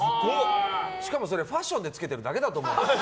しかもそれファッションでつけてるだけだと思う。